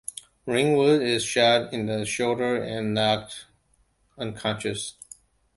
Rainwood is shot in the shoulder and knocked unconscious.